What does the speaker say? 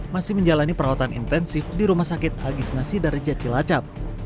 masih menjalani perawatan intensif di rumah sakit agis nasi dari jajilacap